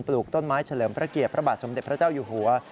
ลูกต้นไม้เฉลิมพระเกียรติพระบาทสมเด็จพระเจ้าอยู่หัว